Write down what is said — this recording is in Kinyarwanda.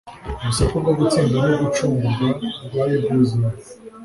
Urusaku rwo gutsinda no gucungurwa rwari rwuzuye aho.